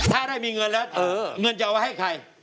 ถ้าได้มีเงินแล้วเงินจะเอาไว้ให้ใคร